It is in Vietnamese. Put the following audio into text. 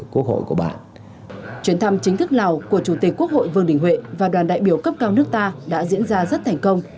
chuyến thăm chính thức lào của chủ tịch quốc hội vương đình huệ và đoàn đại biểu cấp cao nước ta đã diễn ra rất thành công